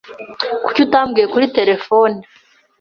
Kuki utambwiye kuri terefone?